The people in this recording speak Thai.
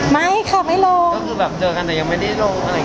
ไม่ค่ะไม่ลง